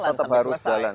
tetap harus jalan